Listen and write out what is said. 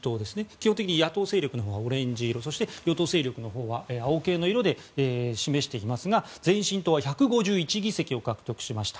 基本的に野党勢力のほうがオレンジ色そして与党勢力が青系の色で示していますが前進党は１５１議席を獲得しました。